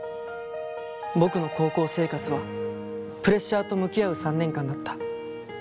僕の高校生活はプレッシャーと向き合う３年間だった。